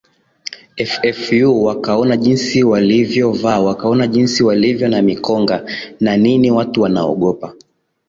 ffu wakaona jinsi walivyovaa wakaona jinsi walivyo na mikonga na nini watu wanaogopa